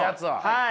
はい。